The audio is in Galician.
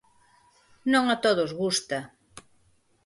Non a todos gusta.